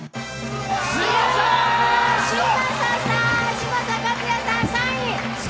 嶋佐和也さん、３位！